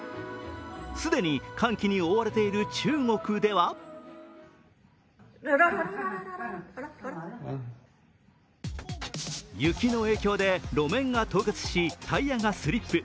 既に寒気に覆われている中国では雪の影響で路面が凍結し、タイヤがスリップ。